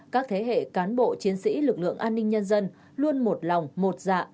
các thế hệ cán bộ chiến sĩ lực lượng an ninh nhân dân luôn một lòng một dạ